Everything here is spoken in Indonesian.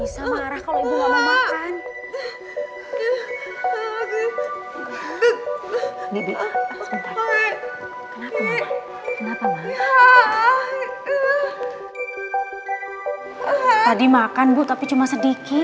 sampai jumpa di video selanjutnya